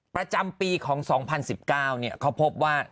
ประจำปีของ๒๐๑๙เขาพบว่า